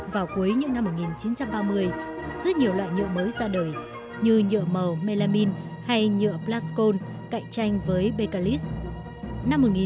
vào cuối những năm một nghìn chín trăm ba mươi rất nhiều loại nhựa mới ra đời như nhựa màu melamine hay nhựa black coal cạnh tranh với bakelite